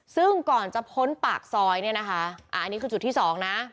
ซึ่งก่อนจะพ้นปากซอยเนี่ยนะคะอันนี้คือจุดที่สองนะ